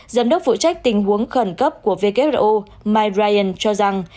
giám đốc phụ trách tình huống khẩn cấp của who mike brayan cho rằng